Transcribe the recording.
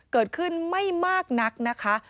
เกิดขึ้นไม่มากนักนะคะ